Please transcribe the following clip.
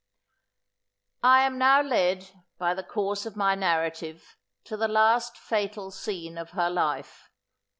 I am now led, by the course of my narrative, to the last fatal scene of her life.